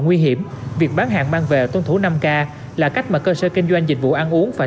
nguy hiểm việc bán hàng mang về tuân thủ năm k là cách mà cơ sở kinh doanh dịch vụ ăn uống phải